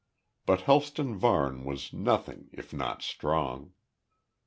But Helston Varne was nothing if not strong.